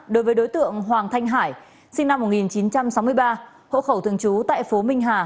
đối với đối tượng hoàng thanh hải sinh năm một nghìn chín trăm sáu mươi ba hộ khẩu thường trú tại phố minh hà